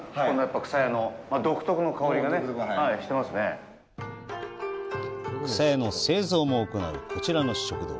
くさやの製造も行う、こちらの食堂。